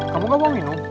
kamu gak mau minum